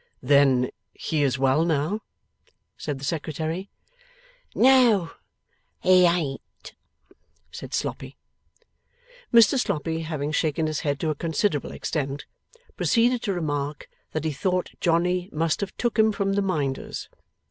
'Then he is well now?' said the Secretary. 'No he ain't,' said Sloppy. Mr Sloppy having shaken his head to a considerable extent, proceeded to remark that he thought Johnny 'must have took 'em from the Minders.